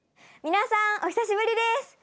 皆さんお久しぶりです。